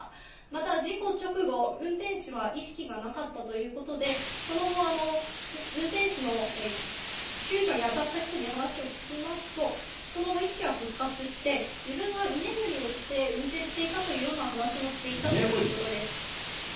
また事故直後、運転手は意識がなかったということで、その後、運転手の救助に当たった人に話を聞きますと、その後、意識は復活して、自分が居眠りをして、運転していたというような話もしていたということです。